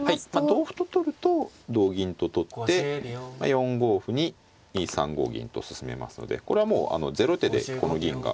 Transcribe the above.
同歩と取ると同銀と取って４五歩に３五銀と進めますのでこれはもうゼロ手でこの銀がここに。